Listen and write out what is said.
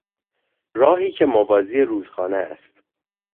راهی که موازی رودخانه است